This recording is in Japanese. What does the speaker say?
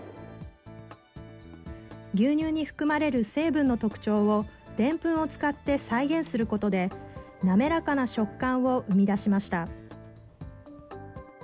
牛乳に含まれる成分の特徴を、デンプンを使って再現することで、滑らかな食感を生み出しました。